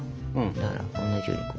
だから同じように。